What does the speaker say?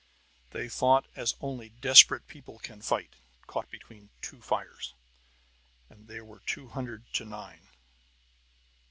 They fought as only desperate people can fight, caught between two fires. And they were two hundred to nine!